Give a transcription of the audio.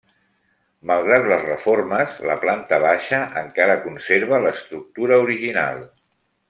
Malgrat les reformes, la planta baixa encara conserva l'estructura original.